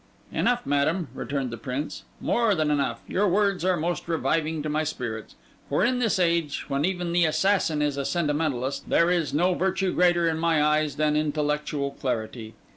'Enough, madam,' returned the Prince: 'more than enough! Your words are most reviving to my spirits; for in this age, when even the assassin is a sentimentalist, there is no virtue greater in my eyes than intellectual clarity.